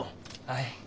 はい。